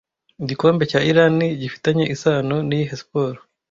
Igikombe cya Irani gifitanye isano niyihe siporo